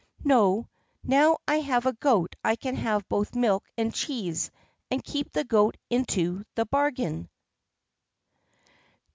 No, now I have a goat I can have both milk and cheese and keep the goat into the bargain.